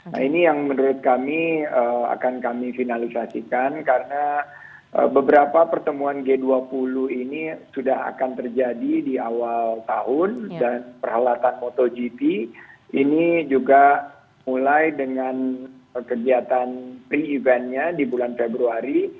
nah ini yang menurut kami akan kami finalisasikan karena beberapa pertemuan g dua puluh ini sudah akan terjadi di awal tahun dan peralatan motogp ini juga mulai dengan kegiatan pre eventnya di bulan februari